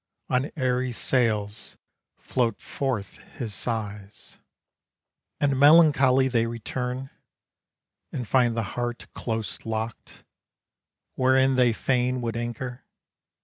On airy sails float forth his sighs; And melancholy they return, And find the heart close locked, Wherein they fain would anchor.